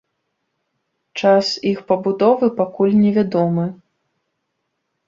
Час іх пабудовы пакуль не вядомы.